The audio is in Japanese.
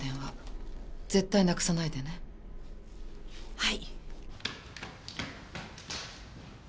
はい。